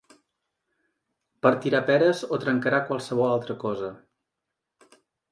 Partirà peres o trencarà qualsevol altra cosa.